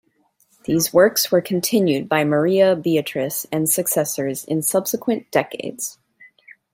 These works were continued by Maria Beatrice and successors in subsequent decades.